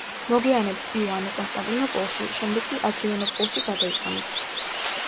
მოგვიანებით იოანე კონსტანტინოპოლში, შემდეგ კი ადრიანოპოლში გადაიყვანეს.